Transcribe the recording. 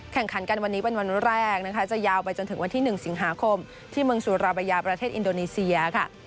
แข่งขันกันวันนี้เป็นวันแรกนะคะจะยาวไปจนถึงวันที่๑สิงหาคมที่เมืองสุราบายาประเทศอินโดนีเซียค่ะ